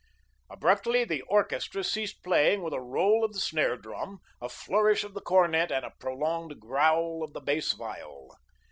Abruptly the orchestra ceased playing with a roll of the snare drum, a flourish of the cornet and a prolonged growl of the bass viol.